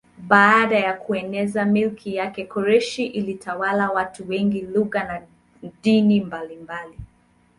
Baada ya kueneza milki yake Koreshi alitawala watu wenye lugha na dini mbalimbali.